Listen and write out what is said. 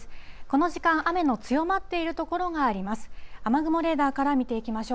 この時間、雨の強まっている所があります。